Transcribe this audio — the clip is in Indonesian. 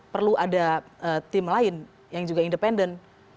perlu ada tim lain yang juga independen